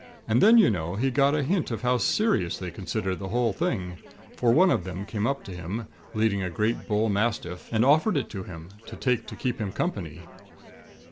And then, you know, he got a hint of how serious they considered the whole thing; for one of them came up to him, leading a great bullmastiff, and offered it to him, to take to keep him company.